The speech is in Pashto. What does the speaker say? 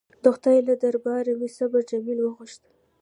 د خدای له درباره مې صبر جمیل وغوښت.